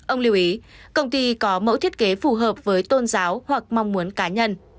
ông lưu ý công ty có mẫu thiết kế phù hợp với tôn giáo hoặc mong muốn cá nhân